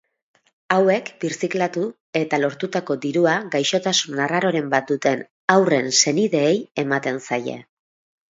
Hauek birziklatu eta lortutako dirua gaixotasun arraroren bat duten haurren senideei ematen zaie.